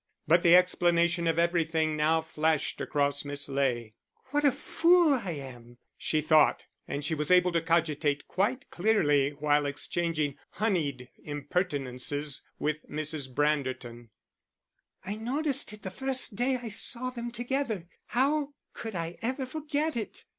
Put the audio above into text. But the explanation of everything now flashed across Miss Ley. "What a fool I am!" she thought, and she was able to cogitate quite clearly while exchanging honeyed impertinences with Mrs. Branderton. "I noticed it the first day I saw them together. How could I ever forget it!"